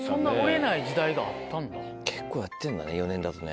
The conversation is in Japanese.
結構やってんだね４年だとね。